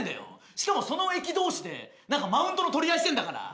しかもその駅同士でマウントの取り合いしてんだから。